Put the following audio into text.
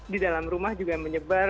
di dalam rumah juga menyebar